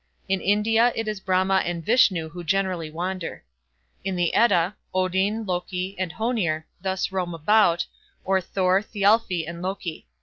In India it is Brahma and Vishnu who generally wander. In the Edda, Odin, Loki, and Hoenir thus roam about, or Thor, Thialfi, and Loki.